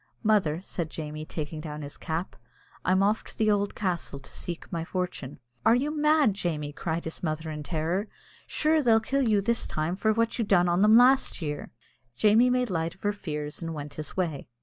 "Mother," said Jamie, taking down his cap, "I'm off to the ould castle to seek my fortune." "Are you mad, Jamie?" cried his mother, in terror; "sure they'll kill you this time for what you done on them last year." Jamie made light of her fears and went his way.